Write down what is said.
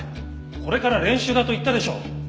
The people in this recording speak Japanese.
これから練習だと言ったでしょう。